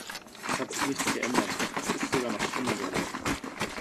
Es hat sich nichts geändert, es ist sogar noch schlimmer geworden.